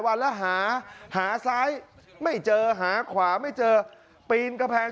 วันแล้วหาหาซ้ายไม่เจอหาขวาไม่เจอปีนกำแพง